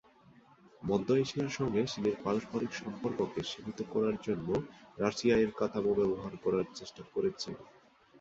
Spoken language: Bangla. মধ্য এশিয়ার সঙ্গে চীনের পারস্পরিক সম্পর্ককে সীমিত করার জন্য রাশিয়া এর কাঠামো ব্যবহার করার চেষ্টা করেছে।